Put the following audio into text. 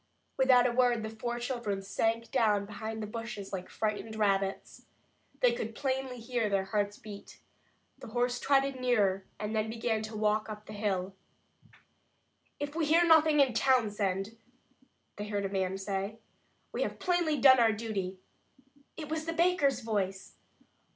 Without a word, the four children sank down behind the bushes like frightened rabbits. They could plainly hear their hearts beat. The horse trotted nearer, and then began to walk up the hill. "If we hear nothing in Townsend," they heard a man say, "we have plainly done our duty." It was the baker's voice!